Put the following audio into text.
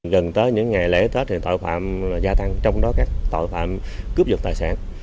gần tới những ngày lễ tết thì tội phạm gia tăng trong đó các tội phạm cướp dựt tài sản